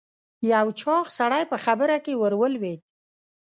یو چاغ سړی په خبره کې ور ولوېد.